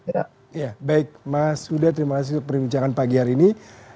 ya baik mas huda terima kasih untuk perbincangan pagi hari ini